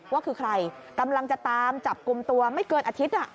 ว่าคือใครกำลังจะตามจับกลุ่มตัวไม่เกินอาทิตย์